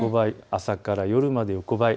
朝から夜まで横ばい。